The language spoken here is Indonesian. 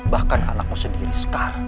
bahkan anakmu sendiri sekarang